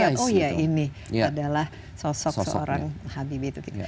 oh iya ini adalah sosok seorang habib itu